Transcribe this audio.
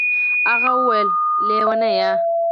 هغه وويل وه ليونيه.